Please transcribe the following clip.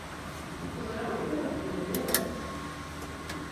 Ur ẓriɣ ara dakken tḥemmlem iḍan.